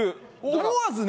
思わずね。